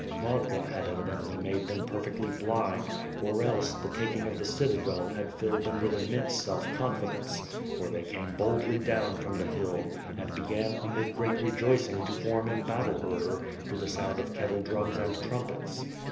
Vodka had evidently made them perfectly blind, or else, the taking of the citadel had filled them with immense self confidence; for they came boldly down from the hill and began amid great rejoicing to form in battle order to the sound of kettle drums and trumpets.